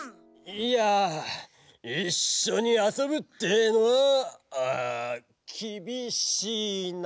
いやいっしょにあそぶってえのはきびしいな！